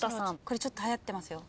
これちょっとはやってますよ。